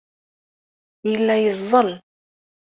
Yella yeẓẓel.